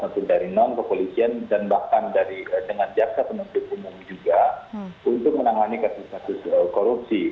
maupun dari non kepolisian dan bahkan dengan jaksa penuntut umum juga untuk menangani kasus kasus korupsi